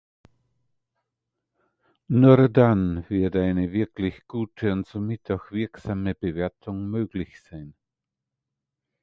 Nur dann wird eine wirklich gute, und somit auch wirksame, Bewertung möglich sein.